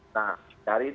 nah dari itu